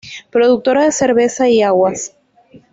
Productora de cerveza y aguas.